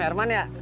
om herman ya